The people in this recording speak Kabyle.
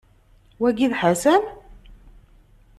Wagi d Ḥasan?